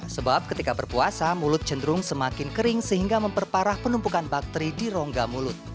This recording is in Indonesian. sebab ketika berpuasa mulut cenderung semakin kering sehingga memperparah penumpukan bakteri di rongga mulut